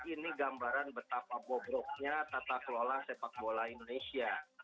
ini gambaran betapa bobroknya tata kelola sepak bola indonesia